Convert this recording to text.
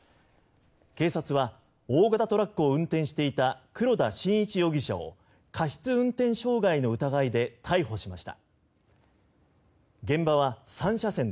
警察は大型トラックを運転していた黒田進一容疑者を過失運転傷害の疑いで逮捕しました。